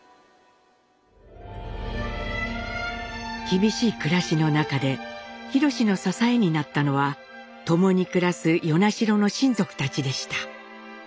厳しい暮らしの中で廣の支えになったのは共に暮らす与那城の親族たちでした。